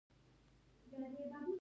ایا ستاسو ژوند به وژغورل شي؟